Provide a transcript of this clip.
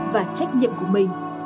và trách nhiệm của mình